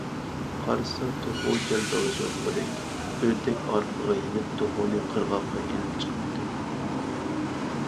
قارىسا، توخۇ جان تالىشىۋاتقۇدەك. ئۆردەك ئارقىغا يېنىپ، توخۇنى قىرغاققا ئېلىپ چىقىپتۇ.